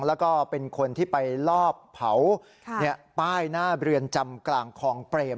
แล้วก็เป็นคนที่ไปลอบเผาป้ายหน้าเรือนจำกลางคลองเปรม